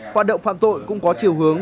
hoạt động phạm tội cũng có chiều hướng